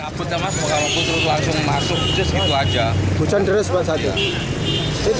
hujan deras bahasa jawa itu gak kelihatan sama sekali